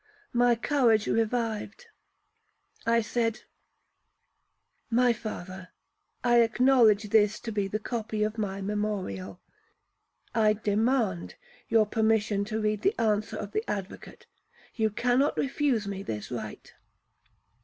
My courage revived.—I said, 'My father, I acknowledge this to be the copy of my memorial. I demand your permission to read the answer of the advocate, you cannot refuse me this right.'